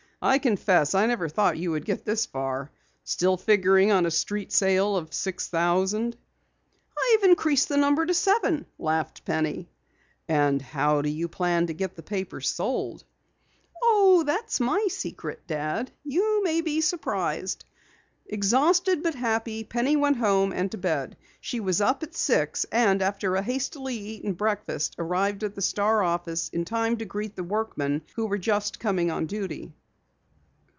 "I confess I never thought you would get this far. Still figuring on a street sale of six thousand?" "I've increased the number to seven," laughed Penny. "And how do you plan to get the papers sold?" "Oh, that's my secret, Dad. You may be surprised." Exhausted but happy, Penny went home and to bed. She was up at six, and after a hastily eaten breakfast, arrived at the Star office in time to greet the workmen who were just coming on duty.